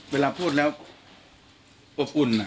เวลาพูดแล้วอบอุ่น